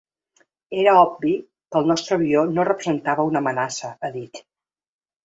Era obvi que el nostre avió no representava una amenaça, ha dit.